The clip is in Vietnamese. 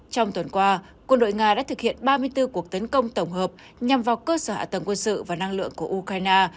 trong tuần qua quân đội nga đã thực hiện ba mươi bốn cuộc tấn công tổng hợp nhằm vào cơ sở hạ tầng quân sự và năng lượng của ukraine